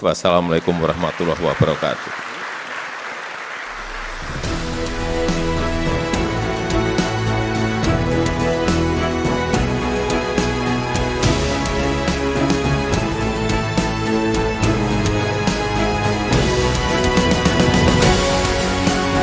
wassalamu'alaikum warahmatullahi wabarakatuh